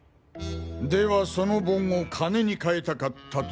ではその盆を金に換えたかったと。